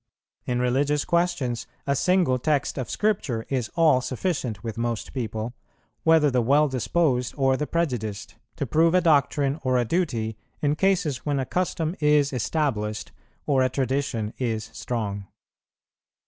In religious questions a single text of Scripture is all sufficient with most people, whether the well disposed or the prejudiced, to prove a doctrine or a duty in cases when a custom is established or a tradition is strong.